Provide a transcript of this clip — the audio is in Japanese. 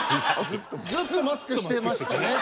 ずっとマスクしてましたね。